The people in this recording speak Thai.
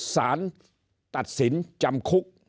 สารตัดสินจำคุก